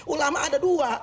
ulama ada dua